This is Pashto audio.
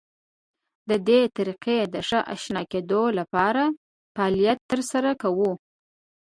د دې طریقې د ښه اشنا کېدو لپاره فعالیت تر سره کوو.